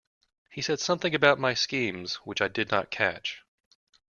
He said something about my schemes which I did not catch.